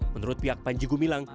menurut pihak panjegu bilang